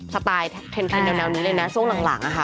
สไตล์เทนแนวนี้เลยนะช่วงหลังนะคะ